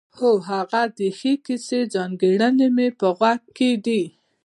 هو هغه د ښې کیسې ځانګړنې مې په غوږ کې وې.